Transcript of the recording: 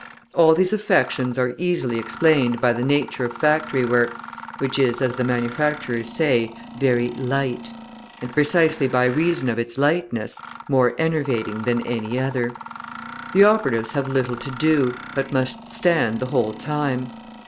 All these affections are easily explained by the nature of factory work, which is, as the manufacturers say, very "light," and precisely by reason of its lightness, more enervating than any other. The operatives have little to do, but must stand the whole time.